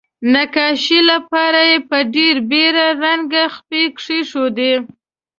نقاشۍ لپاره یې په ډیره بیړه رنګه خپې کیښودې.